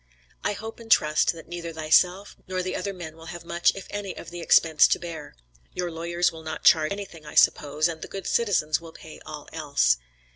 I hope and trust, that neither thyself nor the other men will have much if any of the expense to bear; your lawyers will not charge anything I suppose, and the good citizens will pay all else.